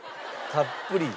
たっぷり。